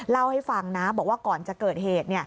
เล่าให้ฟังนะบอกว่าก่อนจะเกิดเหตุ